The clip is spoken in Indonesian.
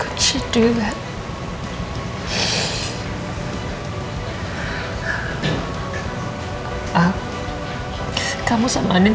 kau bisa dirumah seperti elsa dalam klubnya tane